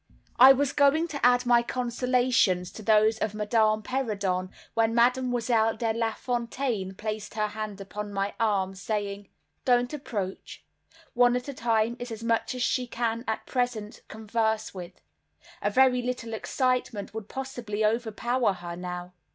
I was going to add my consolations to those of Madame Perrodon when Mademoiselle De Lafontaine placed her hand upon my arm, saying: "Don't approach, one at a time is as much as she can at present converse with; a very little excitement would possibly overpower her now."